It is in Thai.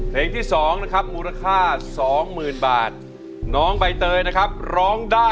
เพลงที่๒มูลค่า๒๐๐๐๐บาทน้องใบเตยร้อง